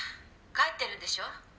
帰ってるんでしょう？」